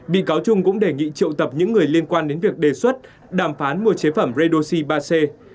bị cáo trung cũng đề nghị triệu tập những người liên quan đến việc đề xuất đàm phán mua chế phẩm redoxi ba c